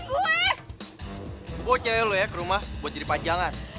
gue bawa cewe lo ya ke rumah buat jadi pajangan